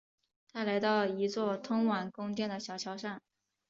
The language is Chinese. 他来到一座通往宫殿的小桥上。